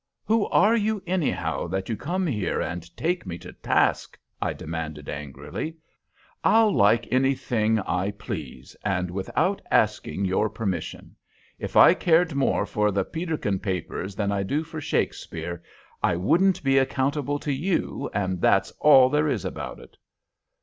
"Who are you, anyhow, that you come here and take me to task?" I demanded, angrily. "I'll like anything I please, and without asking your permission. If I cared more for the Peterkin Papers than I do for Shakespeare, I wouldn't be accountable to you, and that's all there is about it."